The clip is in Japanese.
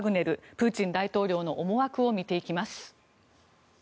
プーチン大統領の思惑を見ていきます。